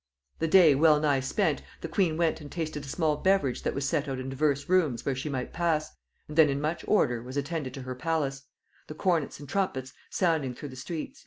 The day well nigh spent, the queen went and tasted a small beverage that was set out in divers rooms where she might pass, and then in much order was attended to her palace; the cornets and trumpets sounding through the streets."